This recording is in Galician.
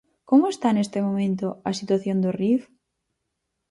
Como está neste momento a situación no Rif?